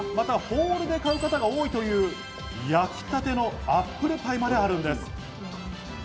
またホールで買う方が多いという焼きたてのアップルパイまであるんです。